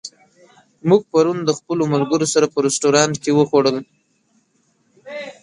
موږ پرون د خپلو ملګرو سره په رستورانت کې وخوړل.